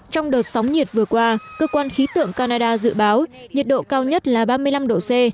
trong đợt sóng nhiệt vừa qua cơ quan khí tượng canada dự báo nhiệt độ cao nhất là ba mươi năm độ c